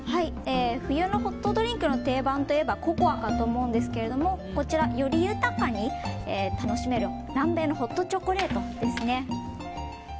冬のホットドリンクの定番といえばココアかと思うんですがこちら、より豊かに楽しめる南米のホットチョコレートですね。